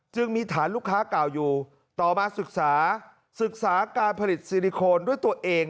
จึงมีฐานลูกค้าเก่าอยู่ต่อมาศึกษาศึกษาการผลิตซิลิโคนด้วยตัวเอง